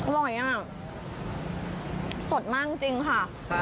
อร่อยอ่ะสดมากจริงค่ะ